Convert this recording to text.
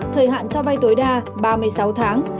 thời hạn cho vay tối đa ba mươi sáu tháng